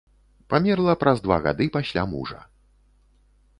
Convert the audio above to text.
Памерла праз два гады пасля мужа.